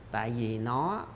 tại vì nó